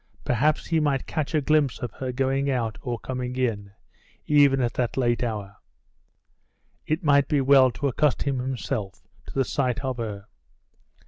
Perhaps he might catch a glimpse of her going out or coming in, even at that late hour. It might be well to accustom himself to the sight of her.